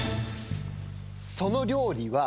その料理は。